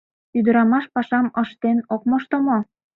Ӱдырамаш пашам ыштен ок мошто мо?